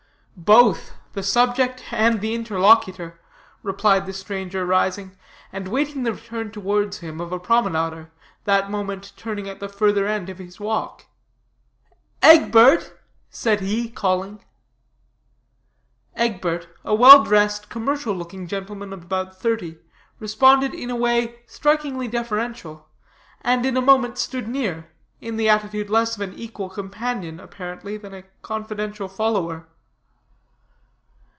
"Both, the subject and the interlocutor," replied the stranger rising, and waiting the return towards him of a promenader, that moment turning at the further end of his walk. "Egbert!" said he, calling. Egbert, a well dressed, commercial looking gentleman of about thirty, responded in a way strikingly deferential, and in a moment stood near, in the attitude less of an equal companion apparently than a confidential follower.